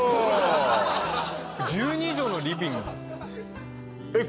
１２畳のリビングえっ